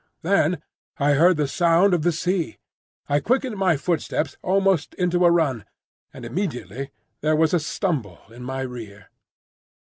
Then I heard the sound of the sea. I quickened my footsteps almost into a run, and immediately there was a stumble in my rear.